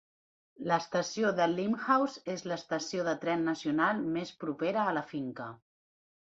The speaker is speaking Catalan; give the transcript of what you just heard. L'estació de Limehouse és l'estació de tren nacional més propera a la finca.